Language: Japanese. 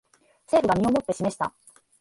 政府が身をもって示した